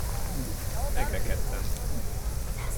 Megrekedtem!